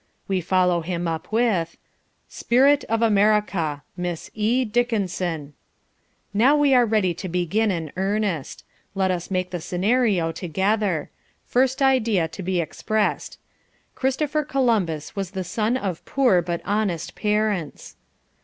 We follow him up with SPIRIT OF AMERICA.. Miss E. Dickenson Now, we are ready to begin in earnest. Let us make the scenario together. First idea to be expressed: "Christopher Columbus was the son of poor but honest parents."